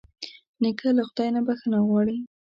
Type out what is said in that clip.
نیکه له خدای نه بښنه غواړي.